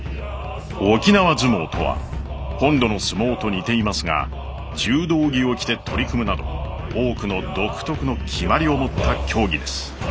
沖縄角力とは本土の角力と似ていますが柔道着を着て取り組むなど多くの独特の決まりを持った競技です。